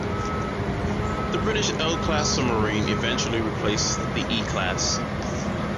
The British L class submarine eventually replaced the E class.